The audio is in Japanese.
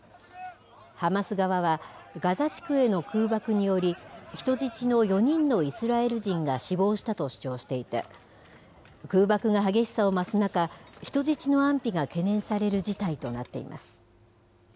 ハマス側は、ガザ地区への空爆により、人質の４人のイスラエル人が死亡したと主張していて、空爆が激しさを増す中、人質の安否が懸念される事態となっています。